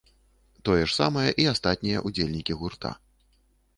Тое ж самае і астатнія ўдзельнікі гурта.